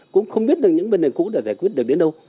cũng không biết được những vấn đề cũ để giải quyết được đến đâu